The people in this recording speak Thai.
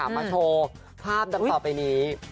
มาโชว์ภาพดังต่อไปนี้